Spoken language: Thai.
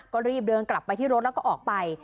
ก็รีบเดินกลับไปที่รถแล้วก็ออกไป